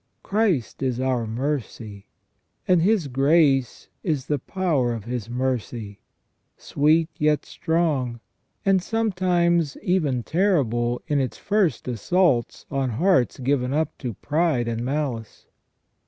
Christ is our mercy, and His grace is the power of His mercy, sweet yet strong, and sometimes even terrible in its first assaults on hearts given up to pride and malice.